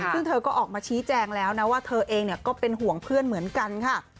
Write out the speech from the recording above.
ซึ่งเธอก็ออกมาชี้แจงแล้วนะว่าเธอเองก็เป็นห่วงเพื่อนเหมือนกันค่ะ